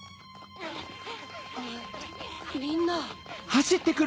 ・みんな。